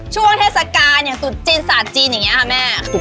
ช่วงเทศกาตุ๋จินสาจินอย่างเนี้ยค่ะแม่